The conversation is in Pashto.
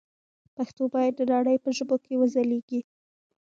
پښتو باید د نړۍ په ژبو کې وځلېږي.